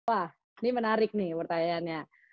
wah ini menarik nih pertanyaannya